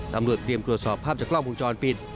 ตำรวจเตรียมตรวจสอบภาพจากกล้องวงจรปิด